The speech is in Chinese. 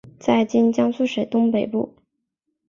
在今江苏省东北部。